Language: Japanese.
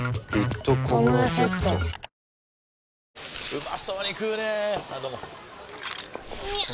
うまそうに食うねぇあどうもみゃう！！